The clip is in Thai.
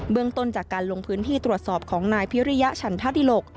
เรื่องต้นจากการลงพื้นที่ตรวจสอบของนายพิริยะฉันธดิหลก